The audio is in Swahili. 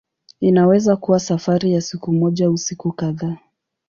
Inaweza kuwa safari ya siku moja au siku kadhaa.